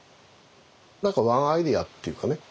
何かワンアイデアっていうかね